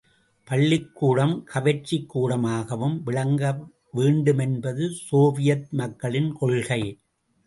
பள்ளிக் கூடம் கவர்ச்சிக் கூடமாகவும் விளங்க வேண்டுமென்பது சோவியத் மக்களின் கொள்கை.